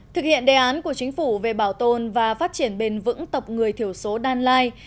thực hiện đề án của chính phủ về bảo tồn và phát triển bền vững tộc người thiểu số đan lai